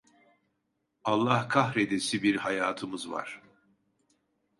Allah kahredesi bir hayatımız var!